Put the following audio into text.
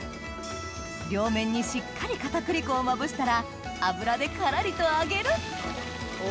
両面にしっかり片栗粉をまぶしたら油でからりと揚げるお。